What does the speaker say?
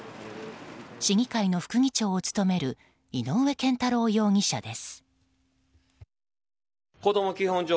市議会の副議長を務める井上健太郎容疑者です。